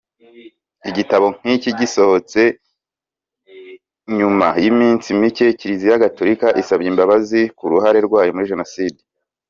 Igitabo nk’iki gisohotse nyuma y’iminsi mike Kiliziya Gatolika isabye imbabazi ku ruhare rwayo muri Jenoside